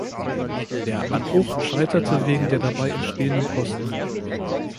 Der Abbruch scheiterte wegen der dabei entstehenden Kosten.